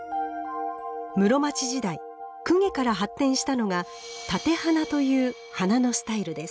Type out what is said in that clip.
室町時代供華から発展したのが「立て花」という花のスタイルです。